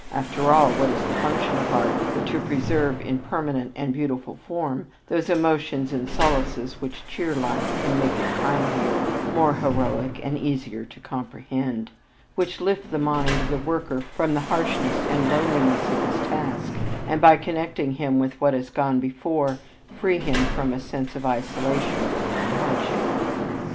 After all, what is the function of art but to preserve in permanent and beautiful form those emotions and solaces which cheer life and make it kindlier, more heroic and easier to comprehend; which lift the mind of the worker from the harshness and loneliness of his task, and, by connecting him with what has gone before, free him from a sense of isolation and hardship?